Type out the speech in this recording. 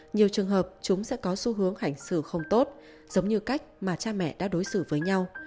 nhiều trường hợp chúng sẽ có xu hướng hành xử không tốt giống như cách mà cha mẹ đã đối xử với nhau